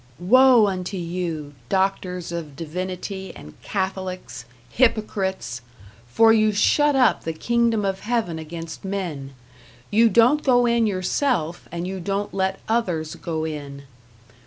Woe unto you, doctors of divinity and Catholics, hypocrites! for you shut up the kingdom of Heaven against men; you don't go in yourself and you don't let others go in.